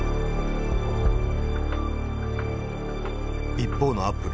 一方のアップル。